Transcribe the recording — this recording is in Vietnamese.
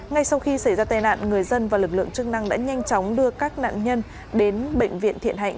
ngay sau khi xảy ra tai nạn người dân và lực lượng chức năng đã nhanh chóng đưa các nạn nhân đến bệnh viện thiện hạnh